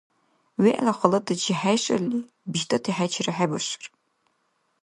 ВегӀ халатачи хӀешалли, биштӀати хӀечира хӀебашар.